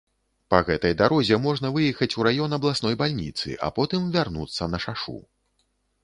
Па гэтай дарозе можна выехаць у раён абласной бальніцы, а потым вярнуцца на шашу.